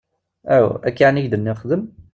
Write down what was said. Aw! Akk-a ɛni ay ak-d-nniɣ xdem?